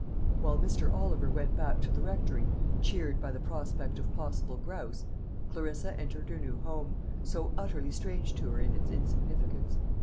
While Mr. Oliver went back to the Rectory, cheered by the prospect of possible grouse, Clarissa entered her new home, so utterly strange to her in its insignificance.